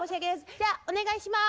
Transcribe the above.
じゃあお願いします。